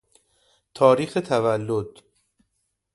تاریخ تولد